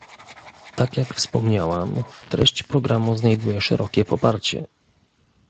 Tak jak wspomniałam, treść programu znajduje szerokie poparcie